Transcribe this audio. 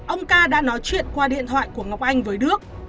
ông ca đã nói chuyện qua điện thoại của ngọc anh với đức